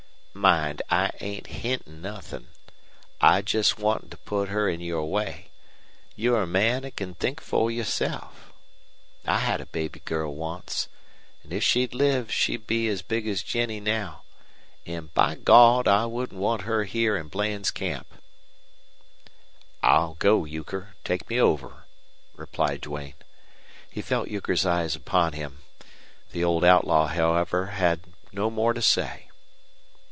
Mind, I ain't hintin' nothin'. I'm just wantin' to put her in your way. You're a man an' can think fer yourself. I had a baby girl once, an' if she'd lived she be as big as Jennie now, an', by Gawd, I wouldn't want her here in Bland's camp." "I'll go, Euchre. Take me over," replied Duane. He felt Euchre's eyes upon him. The old outlaw, however, had no more to say.